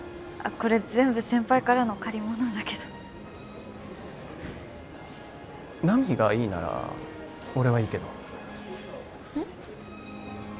これ全部先輩からの借りものだけど奈未がいいなら俺はいいけどうん？